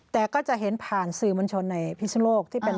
แต่ก็จะเห็นผ่านสื่อบัญชนในพิศโนโลก